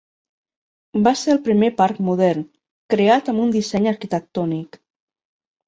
Va ser el primer parc modern, creat amb un disseny arquitectònic.